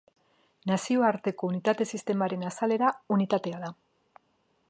Nazioarteko Unitate Sistemaren azalera unitatea da.